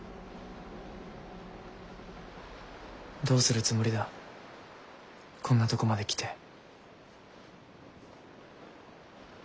どうするつもりだこんなとこまで来て。